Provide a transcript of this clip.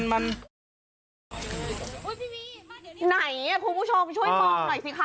ไหนคุณผู้ชมช่วยมองหน่อยสิคะ